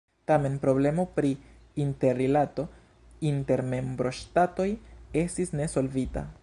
Tamen problemo pri interrilato inter membroŝtatoj estis ne solvita.